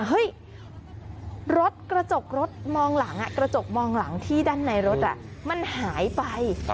เฮ้ยรถกระจกมองหลังที่ด้านในรถมันหายไป